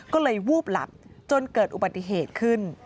ก็เลยวูบหลับจนเกิดอุบัติเหตุขึ้น